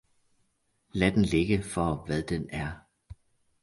lad den ligge for hvad den er.